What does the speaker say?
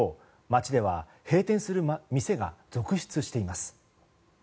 街では閉店する店が続出しています。